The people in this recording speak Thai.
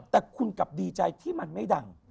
แต่คุณกลับดีใจที่มันไม่ดัง